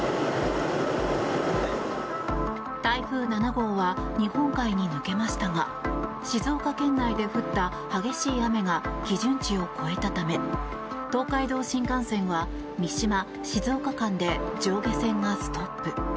台風７号は日本海に抜けましたが静岡県内で降った激しい雨が基準値を超えたため東海道新幹線は三島静岡間で上下線がストップ。